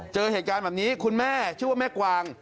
เจอเหตุการณ์แบบนี้คุณแม่ชื่อว่าแม่กวาง